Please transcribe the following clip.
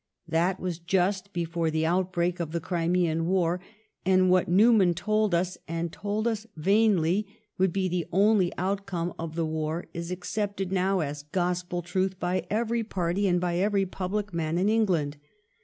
That was just before the outbreak of the Crimean War, and what Newman told us, and told us vainly, would be the only outcome of the war is accepted now as gospel truth by every party and by every public man in England.